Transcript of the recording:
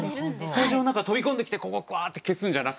スタジオの中に飛び込んできてわって消すんじゃなくて？